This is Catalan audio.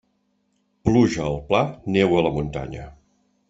Pluja al pla, neu a la muntanya.